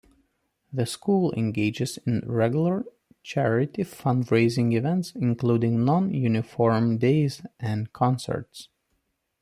The school engages in regular charity fund-raising events, including non-uniform days and concerts.